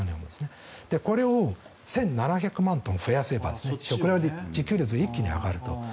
これを１７００万トン増やせばこれは自給率が一気に上がると。